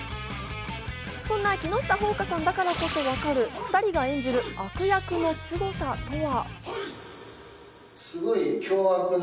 そんな木下ほうかさんだからこそ分かる２人が演じる悪役のすごさとは。